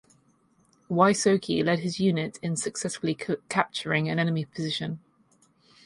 Wysocki led his unit in successfully capturing an enemy position.